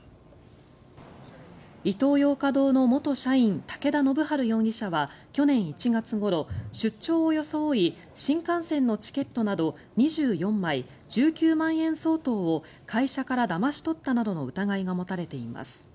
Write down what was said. イトーヨーカ堂の元社員武田信晴容疑者は去年１月ごろ出張を装い新幹線のチケットなど２４枚１９万円相当を会社からだまし取ったなどの疑いが持たれています。